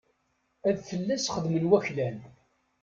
Ad fell-as xedmen waklan.